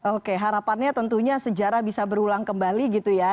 oke harapannya tentunya sejarah bisa berulang kembali gitu ya